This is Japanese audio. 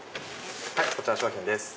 こちら商品です。